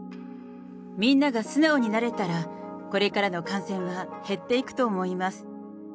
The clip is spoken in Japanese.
みんなが素直になれたら、これからの感染は減っていくと思います。